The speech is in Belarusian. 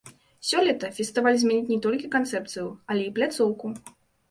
Сёлета фестываль зменіць не толькі канцэпцыю, але і пляцоўку.